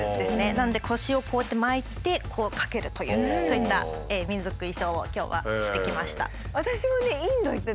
なので腰をこうやって巻いてこう掛けるというそういった民族衣装を今日は着てきました。